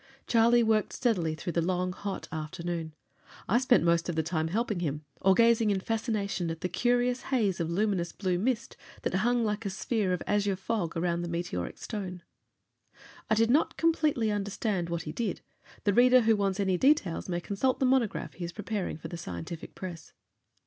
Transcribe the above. Charlie worked steadily through the long hot afternoon. I spent most of the time helping him, or gazing in fascination at the curious haze of luminous blue mist that clung like a sphere of azure fog about the meteoric stone. I did not completely understand what he did; the reader who wants the details may consult the monograph he is preparing for the scientific press.